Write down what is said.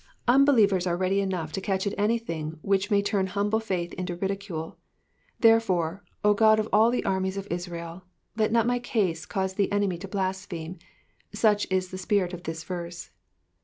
Unbelievers are ready enough to catch at anything which may turn humble faith into ridicule, therefore, O God of all the armies of Israel, let not my case cause the enemy to blaspheme — such is the spirit of this verse.